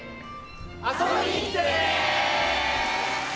遊びに来てね！